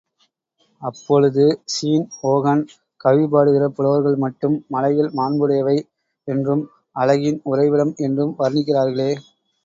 அப்பொழுது Sean Hogan கவிபாடுகிற புலவர்கள் மட்டும் மலைகள் மாண்புடையவை என்றும், அழகின் உறைவிடம் என்றும் வர்ணிக்கிறார்களே!